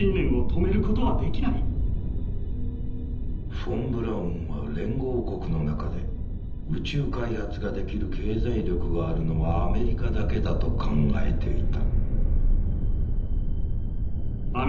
フォン・ブラウンは連合国の中で宇宙開発ができる経済力があるのはアメリカだけだと考えていた。